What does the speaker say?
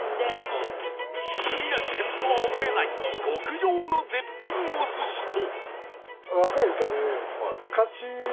海なし県とは思えない極上の絶品お寿司と